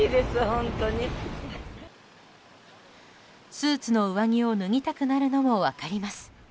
スーツの上着を脱ぎたくなるのも分かります。